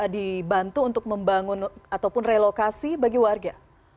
dibantu untuk membangun ataupun relokasi bagi warga